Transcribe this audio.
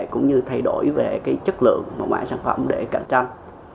cũng như thay đổi về cái chất lượng của mạng sản phẩm để cạnh tranh